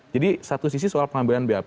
jadi satu sisi soal pengambilan bap